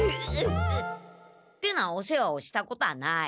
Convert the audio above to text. ってなお世話をしたことはない。